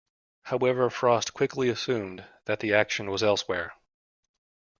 However Frost quickly assumed that the action was elsewhere.